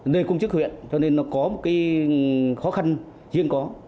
nơi công chức huyện cho nên nó có một cái khó khăn riêng có